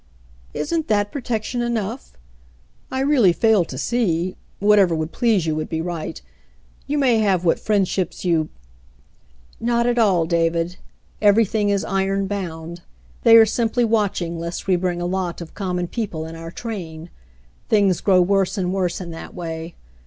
"Isn't that 'protection' enough ? I really fail to see — Whatever would please you would be right. You may have what friendships you —" "Not at all, David. Everything is iron bound. They are simply watching lest we bring a lot of common people in our train. Things grow worse and worse in that way.